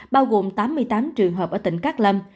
bao gồm tám mươi tám trường hợp ở tỉnh cát lâm